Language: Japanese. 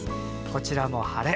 こちらも晴れ。